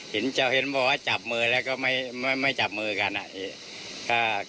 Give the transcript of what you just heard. เห็นบอกว่าจับมือแล้วก็ไม่จับมือกันอะ